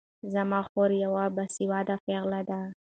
زما خور يوه باسواده پېغله ده